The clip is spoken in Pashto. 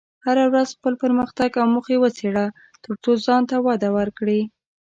هره ورځ خپل پرمختګ او موخې وڅېړه، ترڅو ځان ته وده ورکړې.